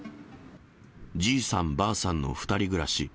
じいさん、ばあさんの２人暮らし。